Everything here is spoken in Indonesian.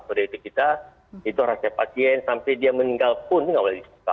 sodeidik kita itu harus dipakai sampai dia meninggal pun itu tidak boleh disuka